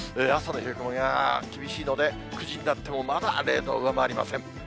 朝の冷え込みが厳しいので、９時になってもまだ０度を上回りません。